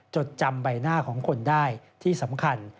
จดจำใบหน้าของคนได้ที่สำคัญ